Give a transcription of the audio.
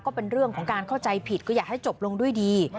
ก็เป็นเรื่องของการเข้าใจผิดก็อยากให้จบลงด้วยดี